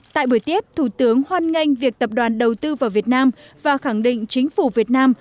tại buổi tiếp thủ tướng hoan nghênh việc tập đoàn đầu tư vào việt nam và khẳng định chính phủ việt nam